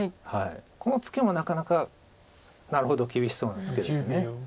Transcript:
このツケもなかなかなるほど厳しそうなツケです。